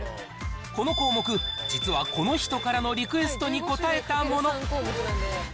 この項目、実はこの人からのリクエストに応えたもの。